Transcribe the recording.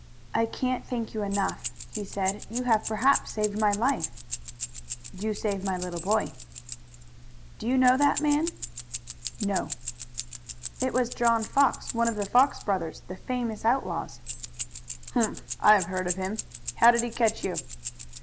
"I can't thank you enough," he said. "You have perhaps saved my life." "You save my little boy." "Do you know that man?" "No." "It was John Fox, one of the Fox brothers, the famous outlaws." "Humph! I have heard of him. How did he catch you?"